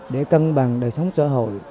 để cân bằng đời sống xã hội